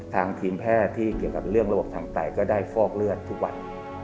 ทีมแพทย์ที่เกี่ยวกับเรื่องระบบทางไตก็ได้ฟอกเลือดทุกวัน